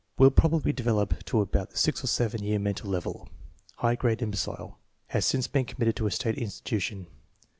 Will probably develop to about the 6 or 7 year mental level. High grade imbecile. Has since been committed to a slate insti tution.